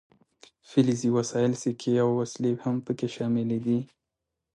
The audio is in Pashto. فلزي وسایل سیکې او وسلې هم پکې شاملې دي.